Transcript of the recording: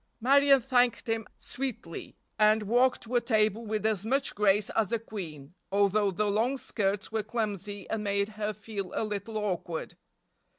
Marion thanked him sweetly, and walked to a table with as much grace as a queen, although the long skirts were clumsy and made her feel a little awkward.